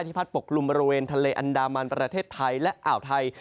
พัดปกกลุ่มบริเวณทะเลอันดามันประเทศไทยและอ่าวไทย